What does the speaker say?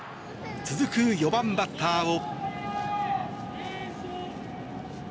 続く４番バッターを。